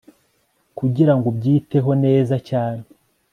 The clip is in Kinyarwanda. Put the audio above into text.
Kugirango ubyiteho neza cyane